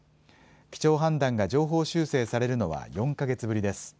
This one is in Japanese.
基調判断が上方修正されるのは４か月ぶりです。